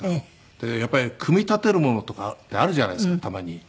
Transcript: でやっぱり組み立てるものとかってあるじゃないですかたまに。